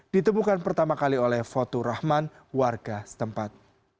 ditemukan pertama kali oleh foto rahman warga setempat